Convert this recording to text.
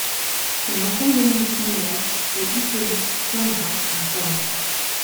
Il rencontre Dominique Ingres et Hippolyte Flandrin à Rome.